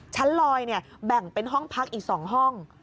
ชั้นลอยแบ่งเป็นห้องพักอีก๒ห้อง